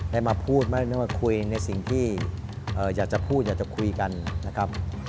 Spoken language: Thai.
ให้มาพูดไม่ได้มาคุยในสิ่งที่อยากจะพูดอยากจะคุยกันนะครับ